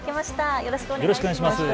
よろしくお願いします。